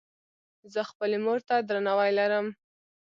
زۀ خپلې مور ته درناوی لرم.